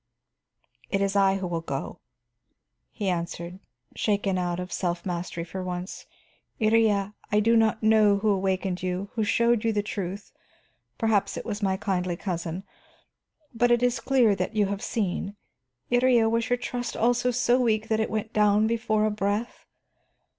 "It is I who will go," he answered, shaken out of self mastery for once. "Iría, I do not know who awakened you, who showed you the truth, perhaps it was my kindly cousin. But it is clear that you have seen. Iría, was your trust also so weak that it went down before a breath?